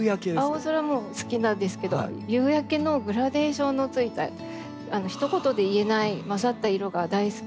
青空も好きなんですけど夕焼けのグラデーションのついた一言で言えない混ざった色が大好きで。